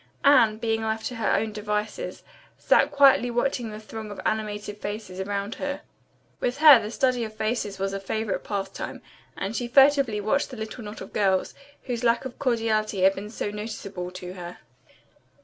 Anne, being left to her own devices, sat quietly watching the throng of animated faces around her. With her, the study of faces was a favorite pastime, and she furtively watched the little knot of girls, whose lack of cordiality had been so noticeable to her.